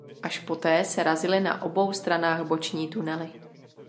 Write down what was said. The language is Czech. Až poté se razily na obou stranách boční tunely.